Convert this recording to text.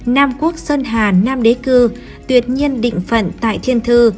nam quốc sơn hà nam đế cư tuyệt nhiên định phận tại thiên thư